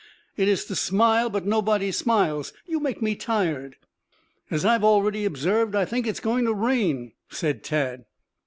It is to smile, but nobody smiles. You make me tired." "As I have already observed, I think it is going to rain," said Tad.